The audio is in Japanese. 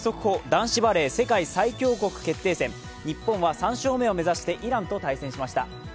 男子バレー世界最強国決定戦日本は３勝目を目指してイランと対戦しました。